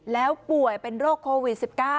แล้วป่วยเป็นโรคโควิด๑๙